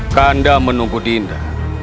kanda menunggu dinda